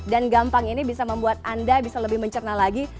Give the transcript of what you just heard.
dan gampang ini bisa membuat anda bisa lebih mencerna lagi